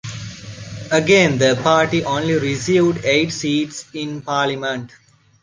Again the party only received eight seats in parliament.